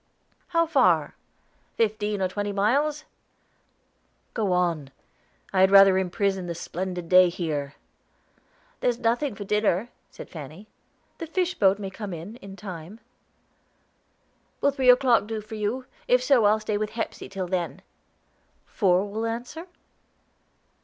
"How far?" "Fifteen or twenty miles." "Go on; I had rather imprison the splendid day here." "There's nothing for dinner," said Fanny. "The fish boat may come in, in time." "Will three o'clock do for you? If so, I'll stay with Hepsey till then." "Four will answer?"